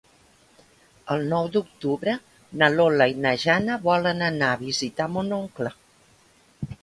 El nou d'octubre na Lola i na Jana volen anar a visitar mon oncle.